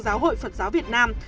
giáo hội phật giáo việt nam